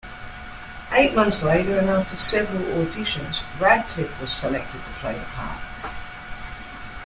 Eight months later, and after several auditions, Radcliffe was selected to play the part.